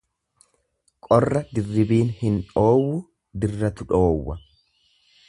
Qorra dirribiin hin dhoowwu dirratu dhoowwa.